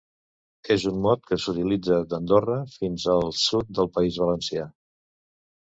És un mot que s'utilitza d'Andorra fins al sud del País Valencià.